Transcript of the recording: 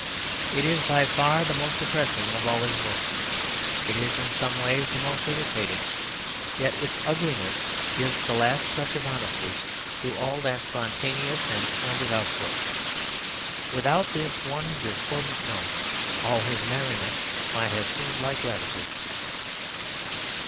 It is by far the most depressing of all his books; it is in some ways the most irritating; yet its ugliness gives the last touch of honesty to all that spontaneous and splendid output. Without this one discordant note all his merriment might have seemed like levity.